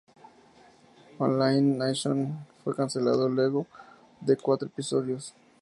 Online nation fue cancelado luego de cuatro episodios.